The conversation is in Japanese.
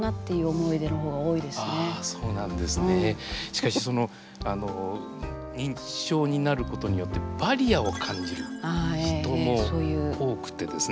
しかしその認知症になることによってバリアを感じる人も多くてですね。